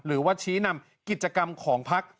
หรือว่าชี้นำกิจกรรมของพัก